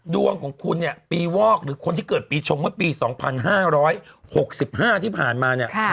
ดวงของคุณปีวอกหรือคนที่เกิดปีชงว่าปี๒๕๖๕ที่ผ่านมา